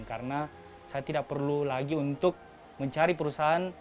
karena saya tidak perlu lagi untuk mencari perusahaan